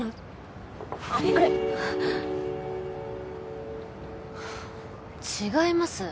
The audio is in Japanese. あれ違います